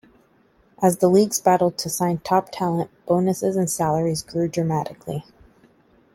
As the leagues battled to sign top talent, bonuses and salaries grew dramatically.